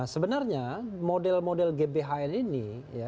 sebenarnya model model gbhn ini